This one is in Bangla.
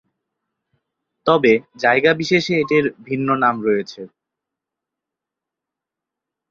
তবে জায়গা বিশেষে এটির ভিন্ন নাম রয়েছে।